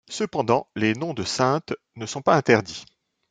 Cependant les noms de saintes ne sont pas interdits.